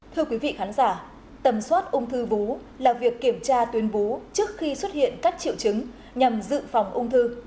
thưa quý vị khán giả tầm soát ung thư vú là việc kiểm tra tuyến vú trước khi xuất hiện các triệu chứng nhằm dự phòng ung thư